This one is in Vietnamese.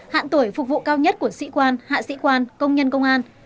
hạn tuổi phục vụ cao nhất của sĩ quan hạ sĩ quan công nhân công an